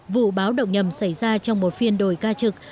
vụ báo động nhầm xảy ra trong một phiên đồi ca trực